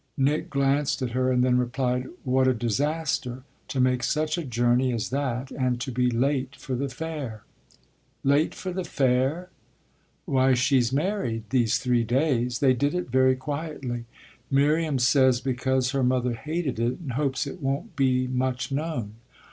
Nick glanced at her and then replied: "What a disaster to make such a journey as that and to be late for the fair!" "Late for the fair?" "Why she's married these three days. They did it very quietly; Miriam says because her mother hated it and hopes it won't be much known!